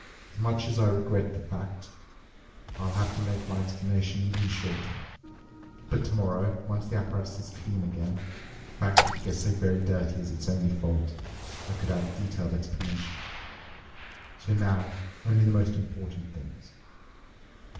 As much as I regret the fact, I'll have to make my explanation even shorter. But tomorrow, once the apparatus is clean again—the fact that it gets so very dirty is its only fault—I could add a detailed explanation. So now, only the most important things.